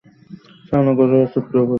ছড়ানো গুজবের সূত্র খুঁজে পাওয়া যায় না।